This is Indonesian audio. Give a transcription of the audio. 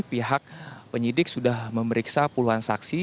pihak penyidik sudah memeriksa puluhan saksi